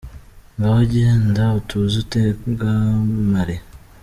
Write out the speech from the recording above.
Ngaho jyenda utuze utengamare